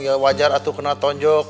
ya wajar atau kena tonjok